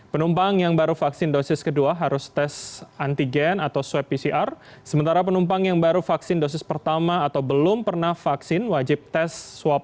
penumpang yang baru vaksin dosis kedua harus tes antigen atau swab pcr sementara penumpang yang baru vaksin dosis pertama atau belum pernah vaksin wajib tes swab